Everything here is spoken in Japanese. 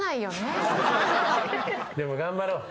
でも頑張ろう。